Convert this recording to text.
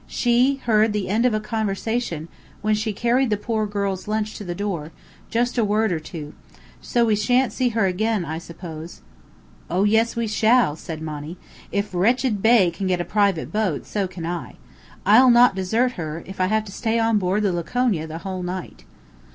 "She heard the end of a conversation, when she carried the poor girl's lunch to the door just a word or two. So we shan't see her again, I suppose." "Oh, yes, we shall," said Monny. "If Wretched Bey can get a private boat, so can I. I'll not desert her, if I have to stay on board the Laconia the whole night."